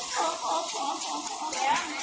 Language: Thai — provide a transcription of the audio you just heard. แซมแซม